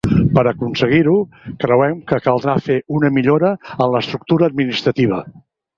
Per aconseguir-ho creuen que caldrà fer una millora en l’estructura administrativa.